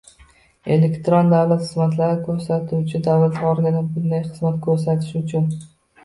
Elektron davlat xizmatlari ko‘rsatuvchi davlat organi bunday xizmat ko‘rsatish uchun